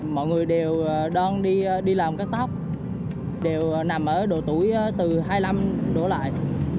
mọi người đều đoan đi làm cắt tóc đều nằm ở độ tuổi từ hai mươi năm độ lại